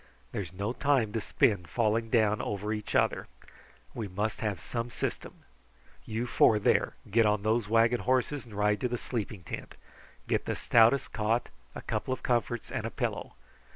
There's no time to spend falling down over each other; we must have some system. You four there get on those wagon horses and ride to the sleeping tent. Get the stoutest cot, a couple of comforts, and a pillow.